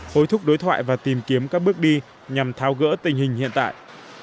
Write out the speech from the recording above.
hối thúc đối thoại và tìm kiếm các bước đi nhằm tháo gỡ tình hình hiện tại